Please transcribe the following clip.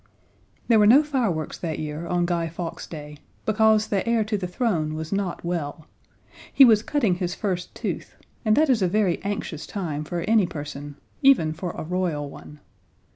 There were no fireworks that year on Guy Fawkes' Day, because the heir to the throne was not well. He was cutting his first tooth, and that is a very anxious time for any person even for a Royal one.